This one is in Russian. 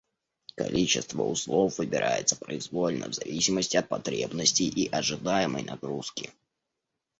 Количество узлов выбирается произвольно, в зависимости от потребностей и ожидаемой нагрузки